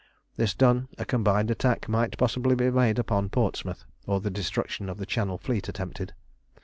This done, a combined attack might possibly be made upon Portsmouth, or the destruction of the Channel fleet attempted.